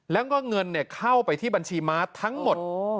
แล้วก็เงินเข้าไปที่บัญชีม้าทั้งหมด